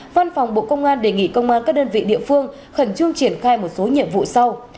văn phòng bộ công an đề nghị công an các đơn vị địa phương khẩn trương triển khai một số nhiệm vụ sau